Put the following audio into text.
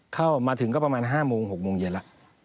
เข้ามาถึงก็ประมาณ๕๖โมงเย็นละ